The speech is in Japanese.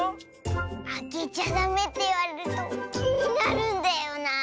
あけちゃダメっていわれるときになるんだよなあ。